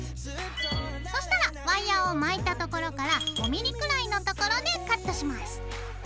そしたらワイヤーを巻いた所から５ｍｍくらいの所でカットします。